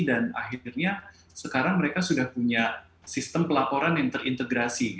dan akhirnya sekarang mereka sudah punya sistem pelaporan yang terintegrasi